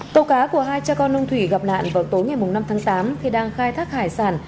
tàu cá của hai cha con ông thủy gặp nạn vào tối ngày năm tháng tám khi đang khai thác hải sản